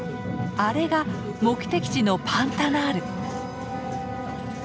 あれが目的地のパンタナール！